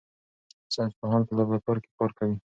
ساینس پوهان په لابراتوار کې کار کوي.